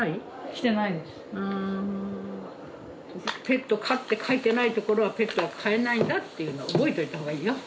「ペット可」って書いてないところはペットは飼えないんだっていうのを覚えといた方がいいよ。